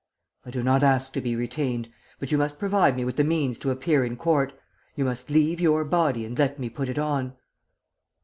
"'I do not ask to be retained; but you must provide me with the means to appear in court. _You must leave your body and let me put it on.